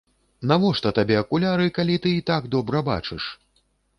Навошта табе акуляры калі ты і так добра бачыш?